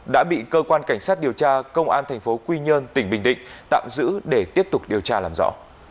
đã bị cơ quan cảnh sát điều tra công an thành phố quy nhơn tỉnh bình định tạm giữ để tiếp tục điều tra làm rõ